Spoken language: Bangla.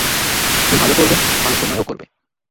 তুমি ভালো করবে, ভালো তোমায়ও করবে।